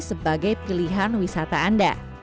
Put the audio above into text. sebagai pilihan wisata anda